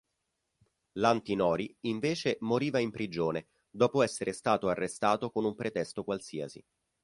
L'Antinori invece moriva in prigione, dopo essere stato arrestato con un pretesto qualsiasi.